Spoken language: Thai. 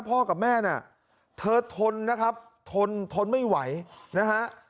พ่อกับแม่น่ะเธอทนนะครับทนทนไม่ไหวนะฮะ